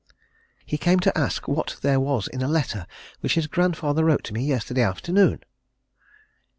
"He came to ask what there was in a letter which his grandfather wrote to me yesterday afternoon."